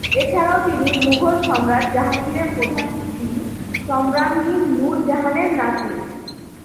এছাড়াও তিনি মুঘল সম্রাট জাহাঙ্গীরের প্রধান স্ত্রী সম্রাজ্ঞী নূর জাহানের নাতনী।